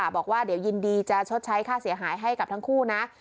บอกว่าเดี๋ยวยินดีจะชดใช้ค่าเสียหายให้กับทั้งคู่นะ